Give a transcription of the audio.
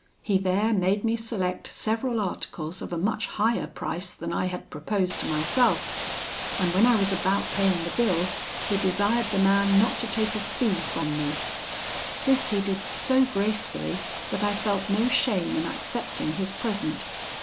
He there made me select several articles of a much higher price than I had proposed to myself; and when I was about paying the bill, he desired the man not to take a sou from me. This he did so gracefully, that I felt no shame in accepting his present.